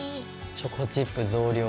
チョコチップ増量。